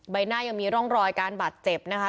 ใบหน้ายังมีร่องรอยการบาดเจ็บนะคะ